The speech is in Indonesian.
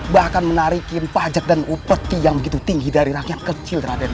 bahkan menarikin pajak dan upeti yang begitu tinggi dari rakyat kecil raden